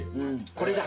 これだ。